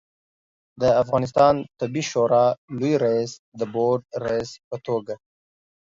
د افغانستان طبي شورا لوي رئیس د بورد رئیس په توګه